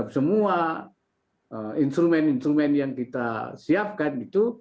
semua instrumen instrumen yang kita siapkan itu